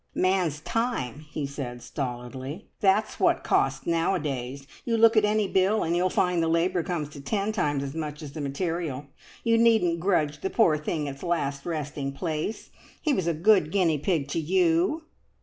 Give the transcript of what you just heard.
"Man's time!" he said stolidly. "That's what costs nowadays. You look at any bill, and you'll find the labour comes to ten times as much as the material. You needn't grudge the poor thing its last resting place. He was a good guinea pig to you."